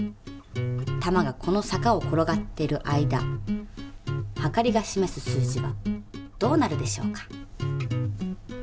玉がこの坂を転がってる間はかりがしめす数字はどうなるでしょうか？